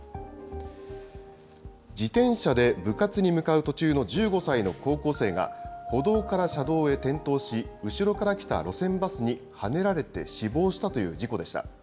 自転車で部活に向かう途中の１５歳の高校生が歩道から車道へ転倒し、後ろから来た路線バスにはねられて死亡したという事故でした。